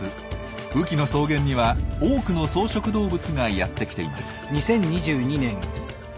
雨季の草原には多くの草食動物がやって来ています。